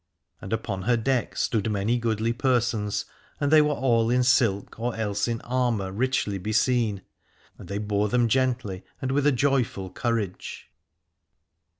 And upon her deck stood many goodly persons : and they were all in silk or else in armour richly beseen, and they bore them gently and with a joyful courage.